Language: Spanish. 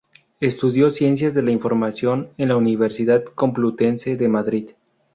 Estudió Ciencias de la Información en la Universidad Complutense de Madrid.